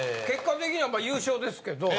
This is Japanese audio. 結果的には優勝ですけど。